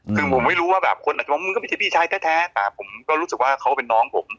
คือผมไม่รู้ว่าแบบคนอาจจะมองมันก็ไม่ใช่พี่ชายแท้แต่ผมก็รู้สึกว่าเขาเป็นน้องผม